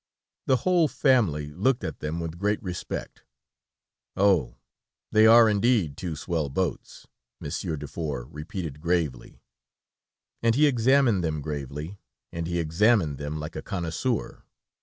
The whole family looked at them with great respect. "Oh! They are indeed two swell boats," Monsieur Dufour repeated gravely, and he examined them gravely, and he examined them like a connoisseur.